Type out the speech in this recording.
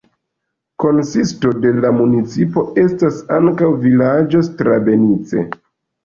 Konsisto de la municipo estas ankaŭ vilaĝo Strabenice.